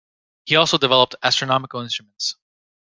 He also developed astronomical instruments.